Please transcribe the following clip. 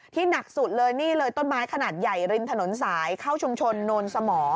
หนักสุดเลยนี่เลยต้นไม้ขนาดใหญ่ริมถนนสายเข้าชุมชนโนนสมอ